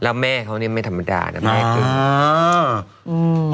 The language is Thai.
แล้วแม่เขานี่ไม่ธรรมดานะแม่คือ